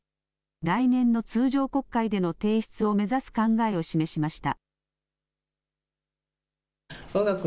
来年の通常国会での提出を目指す考えを示しました。